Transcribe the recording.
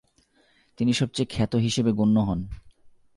তিনি সবচেয়ে খ্যাত হিসেবে গণ্য হন।